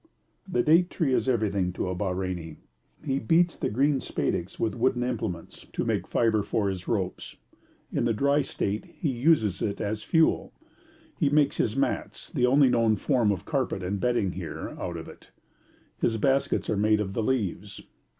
The date tree is everything to a Bahreini. He beats the green spadix with wooden implements to make fibre for his ropes; in the dry state he uses it as fuel; he makes his mats, the only known form of carpet and bedding here, out of it; his baskets are made of the leaves.